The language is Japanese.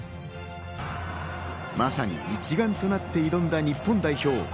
まさに一丸となって挑んだ日本代表。